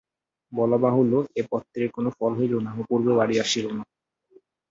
বলা বাহুল্য এ পত্রের কোনো ফল হইল না, অপূর্ব বাড়ি আসিল না।